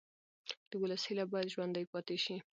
د ولس هیله باید ژوندۍ پاتې شي